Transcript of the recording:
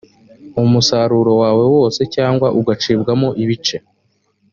umusaruro wose cyangwa ugacibwamo ibice